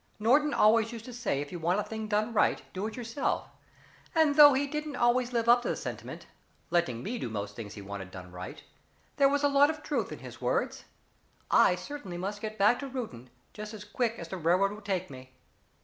Norton always used to say if you want a thing done right, do it yourself, and though he didn't always live up to the sentiment, letting me do most things he wanted done right, there was a lot of truth in his words. I certainly must get back to Reuton, just as quick as the railroad will take me."